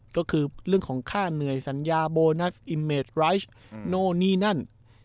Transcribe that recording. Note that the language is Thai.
ก็คือเรื่องของค่าเหนื่อยสัญญาโบนัสอิมเมดไรชโน่นนี่นั่น